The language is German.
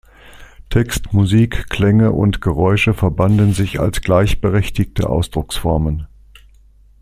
Text, Musik, Klänge und Geräusche verbanden sich als gleichberechtigte Ausdrucksformen.